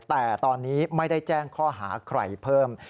แต่ตอนนี้ไม่ได้แจ้งข้อหาใครเพิ่ม